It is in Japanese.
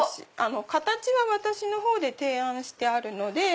形は私の方で提案してあるので。